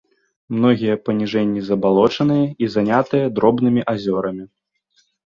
Многія паніжэнні забалочаныя і занятыя дробнымі азёрамі.